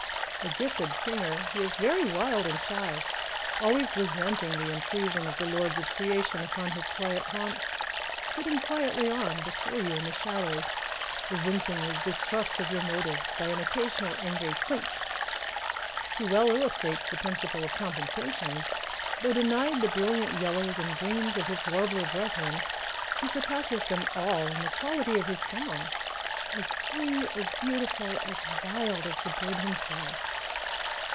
A gifted singer, he is very wild and shy, always resenting the intrusion of the lords of creation upon his quiet haunts, flitting quietly on before you in the shadows, evincing his distrust of your motives by an occasional angry "clink." He well illustrates the principle of compensation: though denied the brilliant yellows and greens of his warbler brethren, he surpasses them all in the quality of his song, as free, as beautiful, as wild as the bird himself.